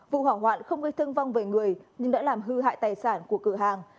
vụ hỏa hoạn không gây thương vong về người nhưng đã làm hư hại tài sản của cửa hàng